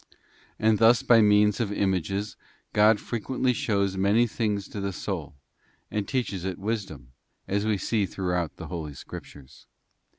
And thus by means of images God frequently shows many things to the soul, and teaches it wisdom, as we see throughout the Holy Scriptures.